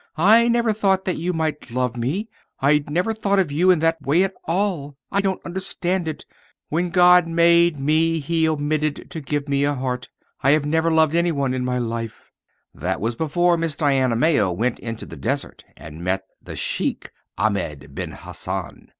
I never thought that you might love me. I never thought of you in that way at all. I don't understand it. When God made me he omitted to give me a heart. I have never loved any one in my life." That was before Miss Diana Mayo went into the desert and met the Sheik Ahmed Ben Hassan.